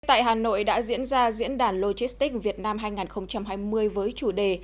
tại hà nội đã diễn ra diễn đàn logistics việt nam hai nghìn hai mươi với chủ đề